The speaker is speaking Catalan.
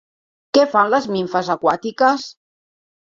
Què fan les nimfes aquàtiques?